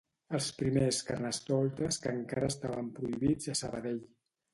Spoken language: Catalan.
Els primers carnestoltes que encara estaven prohibits a Sabadell